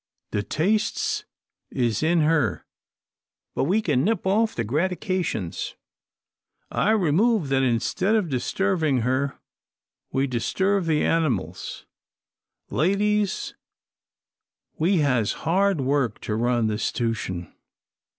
The tastes is in her, but we can nip off the grati'cations. I remove that instead of disturving her, we disturve the animiles. Ladies, we has hard work to run this 'stution.'"